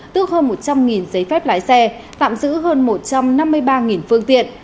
tước hơn một trăm linh giấy phép lái xe tạm giữ hơn một trăm năm mươi ba phương tiện